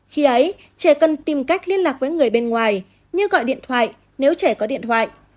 khi ấy trẻ cần tìm cách liên lạc với người bên ngoài như gọi điện thoại nếu trẻ có điện thoại